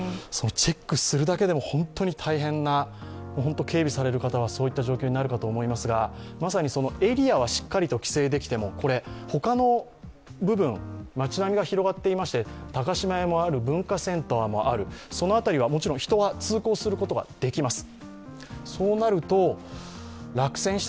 チェックするだけでも本当に大変な、警備される方はそういった状況になるかと思いますがまさにエリアはしっかりと規制できても、ほかの部分、町並みが広がっていまして、高島屋もある、文化センターもある、その辺りはもちろん人が通行することはできます。